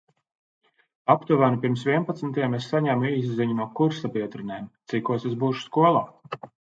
Aptuveni pirms vienpadsmitiem es saņemu īsziņu no kursabiedrenēm – cikos es būšu skolā.